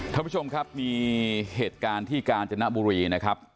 ท่านผู้ชมครับมีเหตุการณ์ที่กาญจนบุรีนะครับ